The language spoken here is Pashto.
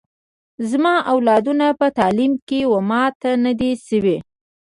زما اولادونه په تعلیم کي و ماته نه دي سوي